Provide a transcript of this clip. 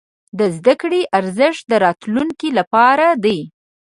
د زده کړې ارزښت د راتلونکي لپاره دی.